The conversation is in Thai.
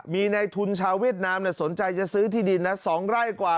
มีในทุนชาวเวียดนามสนใจจะซื้อที่ดินนะ๒ไร่กว่า